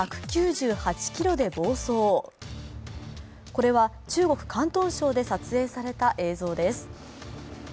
これは中国・広東省で撮影された映像です。